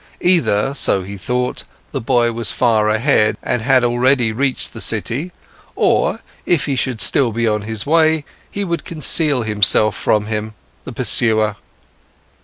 Either, so he thought, the boy was far ahead and had already reached the city, or, if he should still be on his way, he would conceal himself from him, the pursuer.